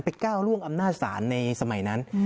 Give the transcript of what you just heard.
ก้าวล่วงอำนาจศาลในสมัยนั้น